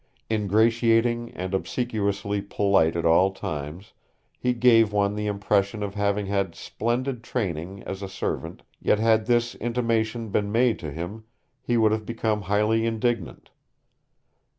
Ingratiating and obsequiously polite at all times, he gave one the impression of having had splendid training as a servant, yet had this intimation been made to him, he would have become highly indignant.